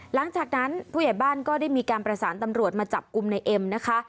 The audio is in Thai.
หลังจากนั้นผู้ใหญ่บ้านก็ได้มีการประสานตำรวจมาจับกลุ่มในเอ็มนะคะ